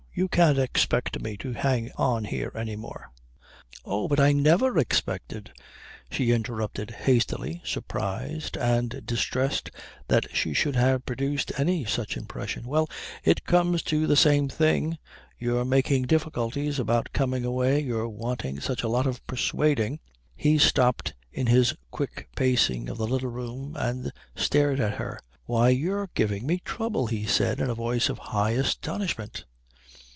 You can't expect me to hang on here any more " "Oh, but I never expected " she interrupted hastily, surprised and distressed that she should have produced any such impression. "Well, it comes to the same thing, your making difficulties about coming away, your wanting such a lot of persuading." He stopped in his quick pacing of the little room and stared at her. "Why, you're giving me trouble!" he said, in a voice of high astonishment.